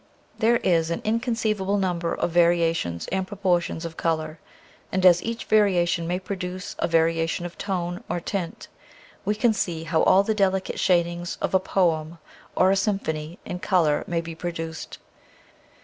There is an inconceivable number of variations and proportions of color, and as each variation may produce a variation of tone, or tint, we can see how all the delicate shadings of a poem or a symphony in color may be produced.